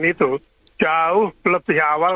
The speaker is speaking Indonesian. itu jauh lebih awal